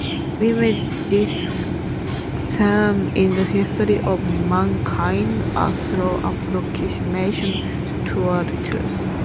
We may discern in the history of mankind a slow approximation toward truth.